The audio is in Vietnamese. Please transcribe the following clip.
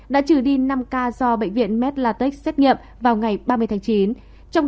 đã trừ đi năm ca do bệnh viện medlatech xét nghiệm vào ngày ba mươi tháng chín